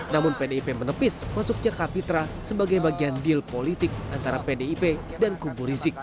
namun pdip menepis masuknya kapitra sebagai bagian deal politik antara pdip dan kubu rizik